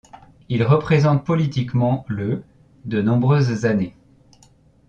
Il représente politiquement le de nombreuses années.